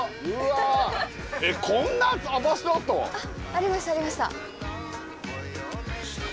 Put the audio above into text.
ありましたありました。